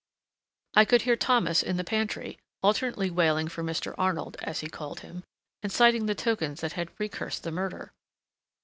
I could hear Thomas in the pantry, alternately wailing for Mr. Arnold, as he called him, and citing the tokens that had precursed the murder.